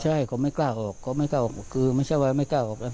ใช่เขาไม่กล้าออกเขาไม่กล้าออกคือไม่ใช่ว่าไม่กล้าออกไป